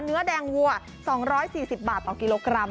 เนื้อแดงวัว๒๔๐บาทต่อกิโลกรัม